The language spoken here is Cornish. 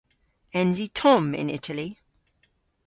Ens i tomm yn Itali?